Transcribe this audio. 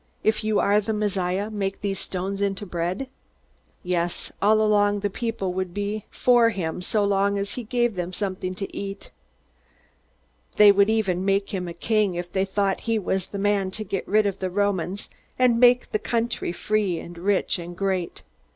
"If you are the Messiah, make these stones into bread." Yes, all the people would be for him so long as he gave them something to eat. They would even make him a king, if they thought he was the man to get rid of the Romans and make the country free and rich and great.